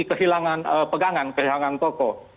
seperti kehilangan pegangan kehilangan tokoh